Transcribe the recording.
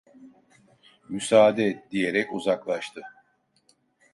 Müsaade!" diyerek uzaklaştı.